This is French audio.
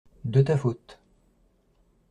De ta faute.